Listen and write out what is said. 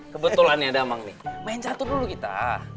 kebetulan ya damang nih main catu dulu kita